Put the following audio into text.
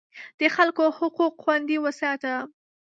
د خلکو حقوق خوندي وساته.